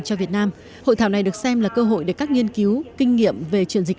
cho việt nam hội thảo này được xem là cơ hội để các nghiên cứu kinh nghiệm về chuyển dịch